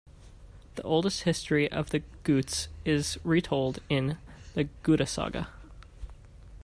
The oldest history of the Gutes is retold in the "Gutasaga".